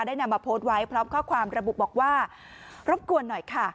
นำมาโพสต์ไว้พร้อมข้อความระบุบอกว่ารบกวนหน่อยค่ะ